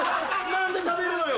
何で食べるのよ？